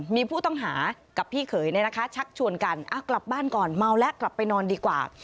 มีผู้ต้องหากับพี่เขยชักชวนกันกลับบ้านก่อนเมาแล้วกลับไปนอนดีกว่า